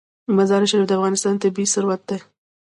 مزارشریف د افغانستان طبعي ثروت دی.